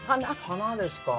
花ですか。